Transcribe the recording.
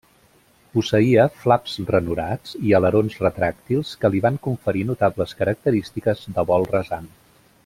Posseïa flaps ranurats i alerons retràctils que li van conferir notables característiques de vol rasant.